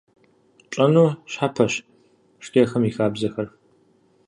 Пщӏэну щхьэпэщ шхэкӏэм и хабзэхэр.